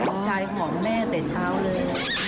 ลูกชายของแม่แต่เช้าเลย